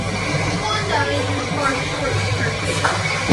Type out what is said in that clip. The swan dive was far short of perfect.